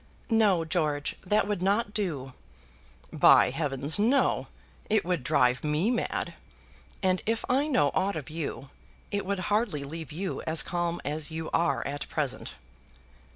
"No, George; that would not do." "By heavens, no! It would drive me mad; and if I know aught of you, it would hardly leave you as calm as you are at present."